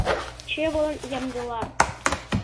Чывылан ямдыла.